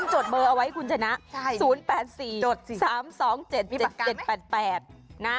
จดเบอร์ให้จดเบอร์